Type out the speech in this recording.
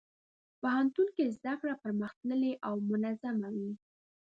پوهنتون کې زدهکړه پرمختللې او منظمه وي.